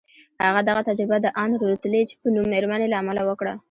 هغه دغه تجربه د ان روتلیج په نوم مېرمنې له امله وکړه